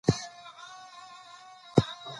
په ښوونځي کې مینه د ماشومانو زړونه تودوي.